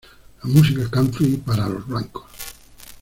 La música country para los blancos.